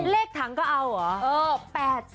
เลขถังก็เอาเหรอ